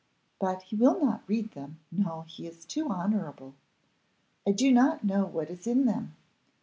But he will not read them, no, he is too honourable. I do not know what is in them.